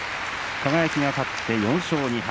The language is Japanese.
輝が勝って４勝２敗。